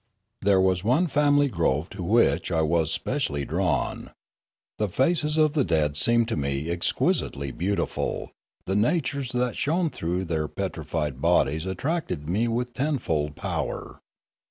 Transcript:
There was one family grove to which I was specially drawn. The faces of the dead seemed to me exquisitely beautiful; the natures that shone through their petri fied bodies attracted me with tenfold power.